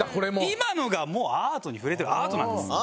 今のがもうアートに触れてるアートなんです。